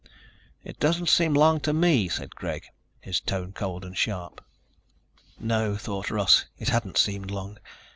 "It doesn't seem long to me," said Greg, his tone cold and sharp. No, thought Russ, it hadn't seemed long.